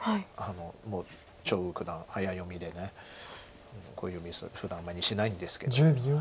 もう張栩九段早読みでこういうミスふだんあんまりしないんですけど。